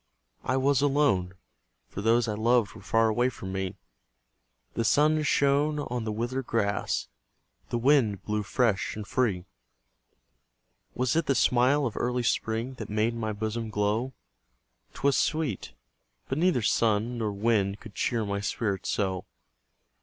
I was alone, for those I loved Were far away from me; The sun shone on the withered grass, The wind blew fresh and free. Was it the smile of early spring That made my bosom glow? 'Twas sweet; but neither sun nor wind Could cheer my spirit so.